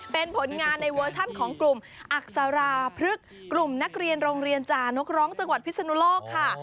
เป็นผลงานในเวอร์ชันของกลุ่มอักษราพฤกษ์กลุ่มนักเรียนโรงเรียนจานกร้องจังหวัดพิศนุโลกค่ะ